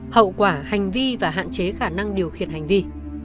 hậu quả hành vi và hạn chế khả năng điều khiển hành vi